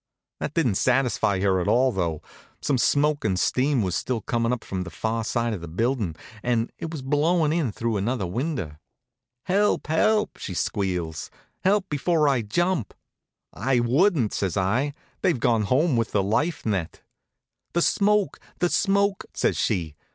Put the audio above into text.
That didn't satisfy her at all, though. Some smoke and steam was still comin' from the far side of the buildin', and it was blowin' in through another window. "Help, help!" she squeals. "Help, before I jump!" "I wouldn't," says I, "they've gone home with the life net." "The smoke, the smoke!" says she.